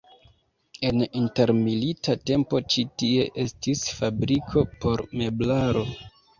En intermilita tempo ĉi tie estis fabriko por meblaro.